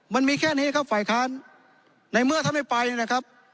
มันมีแค่นี้ครับฝ่ายค้านในเมื่อท่านไม่ไปนะครับ